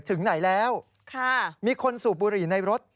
ถึงไหนแล้วมีคนสูบบุหรี่ในรถ